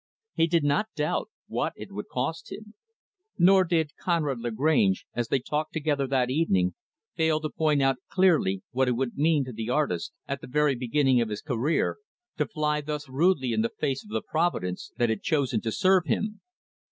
He did not doubt what it would cost him. Nor did Conrad Lagrange, as they talked together that evening, fail to point out clearly what it would mean to the artist, at the very beginning of his career, to fly thus rudely in the face of the providence that had chosen to serve him.